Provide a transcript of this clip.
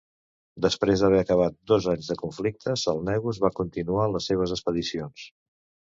Després d'haver acabat dos anys de conflictes, el negus va continuar les seves expedicions.